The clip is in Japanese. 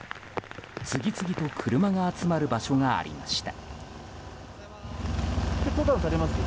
次々と車が集まる場所がありました。